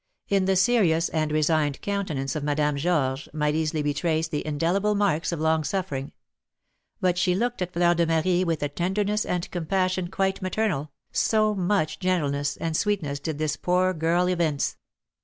In the serious and resigned countenance of Madame Georges might easily be traced the indelible marks of long suffering; but she looked at Fleur de Marie with a tenderness and compassion quite maternal, so much gentleness and sweetness did this poor girl evince.